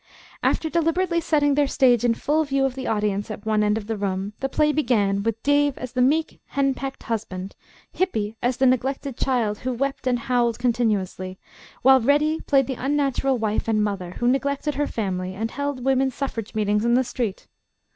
After deliberately setting their stage in full view of the audience at one end of the room, the play began, with David as the meek, hen pecked husband, Hippy as the neglected child, who wept and howled continuously, while Reddy played the unnatural wife and mother, who neglected her family and held woman's suffrage meetings in the street.